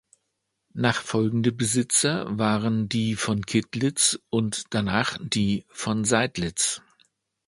Nachfolgende Besitzer waren die von Kittlitz und danach die von Seydlitz.